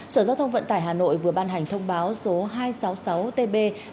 sở giao thông vận tải hà nội vừa ban hành thông báo số hai trăm sáu mươi sáu tb